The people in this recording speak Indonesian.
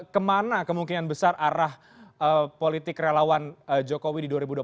kemana kemungkinan besar arah politik relawan jokowi di dua ribu dua puluh